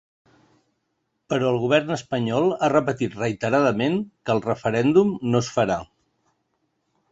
Però el govern espanyol ha repetit reiteradament que el referèndum no es farà.